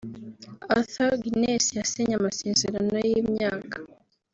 Arthur Guinness yasinye amasezerano y’imyaka